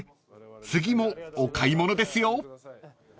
［次もお買い物ですよ］